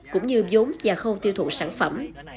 cũng như giống và không tiêu thụ sản phẩm